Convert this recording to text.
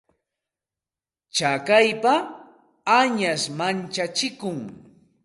Tsakaypa añash manchachikun.